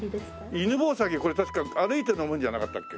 犬吠埼これ確か歩いて上るんじゃなかったっけ？